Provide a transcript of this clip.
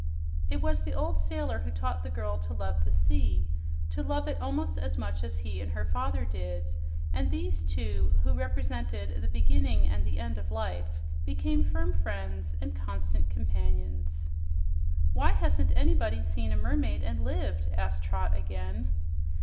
It was the old sailor who taught the child to love the sea, to love it almost as much as he and her father did, and these two, who represented the "beginning and the end of life," became firm friends and constant companions. "Why hasn't anybody seen a mermaid and lived?" asked Trot again.